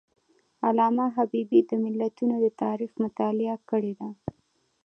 علامه حبیبي د ملتونو د تاریخ مطالعه کړې ده.